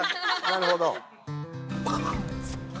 なるほど。